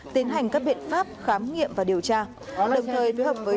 tiến hành các biện pháp khám nghiệm và điều tra đồng thời phối hợp với